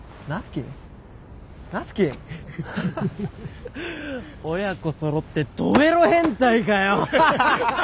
ハハハ親子そろってドエロ変態かよ！